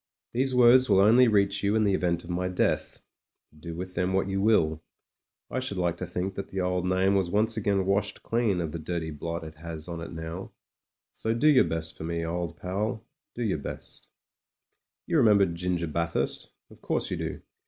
These words will only reach you in the event of my death; do with them what you will. I should like to think that the old name was once again washed clean of the dirty blot it has on it now ; so do your best for me, old pal, do your best. You remember Ginger Bathurst— of course you do.